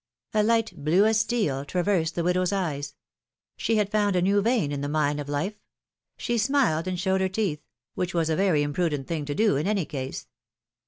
A light, blue as steel, traversed the widow's eyes; she had found a new vein in the mine of life ; she smiled and showed her teeth — which w^as a very imprudent thing to do, in any case.